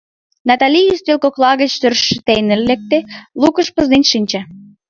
— Натали ӱстел кокла гыч тӧрштен лекте, лукыш пызнен шинче.